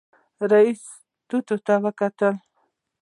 رئيسې تواب ته وکتل.